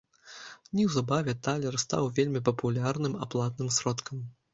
Неўзабаве талер стаў вельмі папулярным аплатным сродкам.